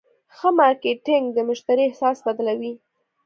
ښه مارکېټنګ د مشتری احساس بدلوي.